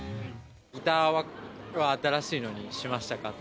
ギターは新しいのにしました